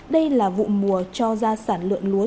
đây là vụ mùa cho ra sản lượng lúa